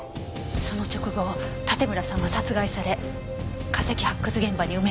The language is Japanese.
その直後盾村さんは殺害され化石発掘現場に埋められた。